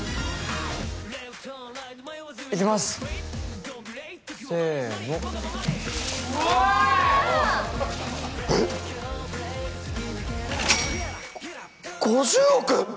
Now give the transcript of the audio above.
いきますせーの・うわーわーえっ？５０億！？